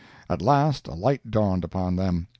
At last a light dawned upon them.